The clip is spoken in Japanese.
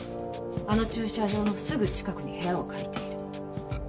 あの駐車場のすぐ近くに部屋を借りている。